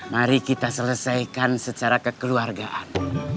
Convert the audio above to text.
mari kita selesaikan secara kekeluargaan